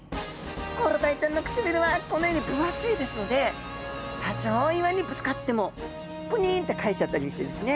コロダイちゃんの唇はこのように分厚いですので多少岩にぶつかってもぷにんって返しちゃったりしてですね。